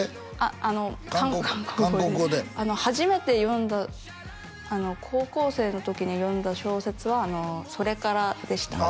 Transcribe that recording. あの韓国語で初めて読んだ高校生の時に読んだ小説は「それから」でしたああ